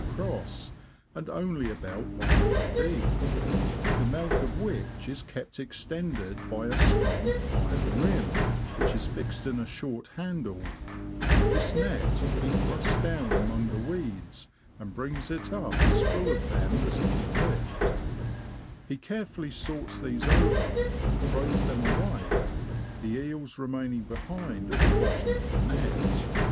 across, and only about I ft. deep, the mouth of which is kept extended by a strong iron rim, which is fixed in a short handle This net he thrusts down among the weeds, and brings it up as full of them as he can lift ; he care fully sorts these over, and throws them away, the eels remaining behind at the bottom of the net.